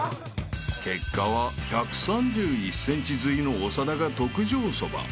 ［結果は１３１ｃｍ吸いの長田が特上そば］